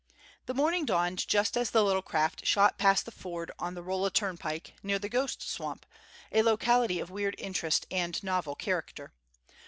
The morning dawned just as the little craft shot past the ford on the Rolla turnpike, near the "ghost swamp," a locality of weird interest and novel character.